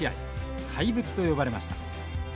怪物と呼ばれました。